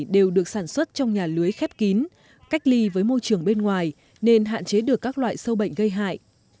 đều được sản xuất trong nhà lưới khép kín cách ly với môi trường bên ngoài nên hạn chế được các loại sâu bệnh gây hại